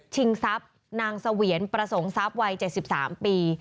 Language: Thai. ชิงทรัพย์นางเสวียนประสงค์ทรัพย์วัยเจ็ดสิบสามปี